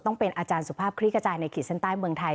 ต้องเป็นอาจารย์สุภาพคลิกกระจายในขีดเส้นใต้เมืองไทย